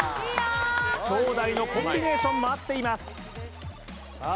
兄弟のコンビネーションも合っていますさあ